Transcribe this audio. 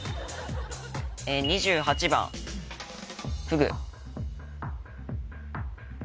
２８番フグ